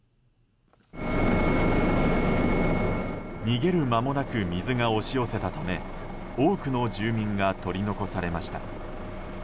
逃げる間もなく水が押し寄せたため多くの住民が取り残されました。